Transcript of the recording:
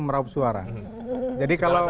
meraup suara jadi kalau